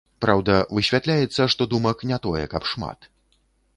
Праўда, высвятляецца, што думак не тое каб шмат.